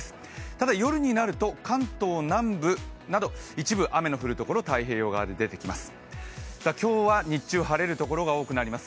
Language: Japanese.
ただ夜になると関東南部など一部雨の降るところ太平洋側で出てきます。